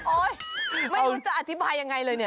ไม่รู้จะอธิบายยังไงเลยเนี่ย